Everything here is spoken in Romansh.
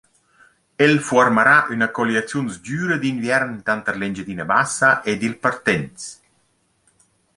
El fuormarà üna colliaziun sgüra d’inviern tanter l’Engiadina Bassa ed il Partens.